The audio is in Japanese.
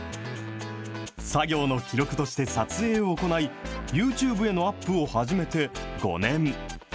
作業の記録として撮影を行い、ユーチューブへのアップを始めて５年。